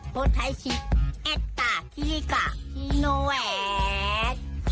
คนไทยชีพแอตตาธิริกาธิโนแหวก